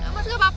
masukin apa apa